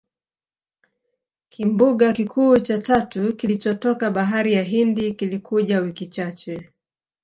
Kimbunga kikuu cha tatu kilichotoka Bahari ya Hindi kilikuja wiki chache